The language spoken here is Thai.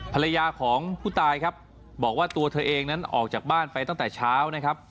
ภรรยาของผู้ตายครับบอกว่าตัวเธอเองนั้นออกจากบ้านไปตั้งแต่เช้านะครับ